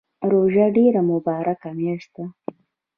روژه ډیره مبارکه میاشت ده